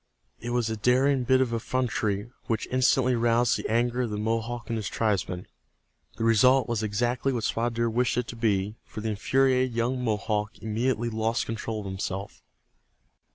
It was a daring bit of effrontery which instantly roused the anger of the Mohawk and his tribesmen. The result was exactly what Spotted Deer wished it to be, for the infuriated young Mohawk immediately lost control of himself.